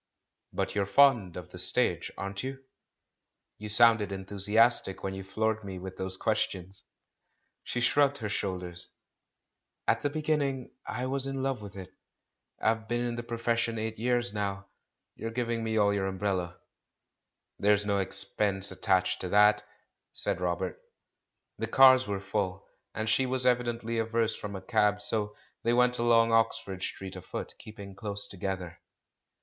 "But you're fond of the stage, aren't you? lYou sounded enthusiastic when you floored me with those questions." She slu*ugged her shoulders. "At the begin ning I was in love with it; I've been in the pro THE CALL FROM THE PAST 405 fession eight years now. You're giving me all your unbrella." "There's no expense attached to that," said Robert. The cars were full, and she was evidently averse from a cab; so they went along Oxford Street afoot, keeping close together.